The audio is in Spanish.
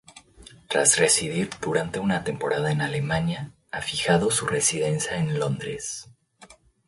Tras residir durante una temporada en Alemania, ha fijado su residencia en Londres.